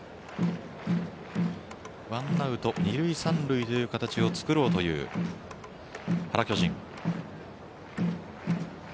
ワンアウト２塁３塁という形を作ろうという原巨人。